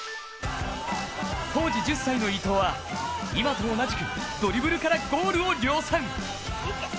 当時１０歳の伊東は今と同じくドリブルからゴールを量産。